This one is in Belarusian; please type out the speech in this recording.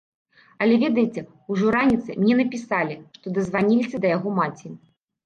Але ведаеце, ужо раніцай мне напісалі, што дазваніліся да яго маці.